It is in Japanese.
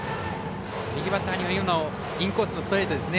右バッターに、インコースのストレートですね。